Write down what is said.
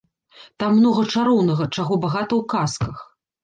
Там многа чароўнага, чаго багата ў казках.